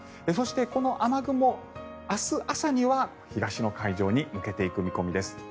そして、この雨雲明日朝には東の海上に抜けていく見込みです。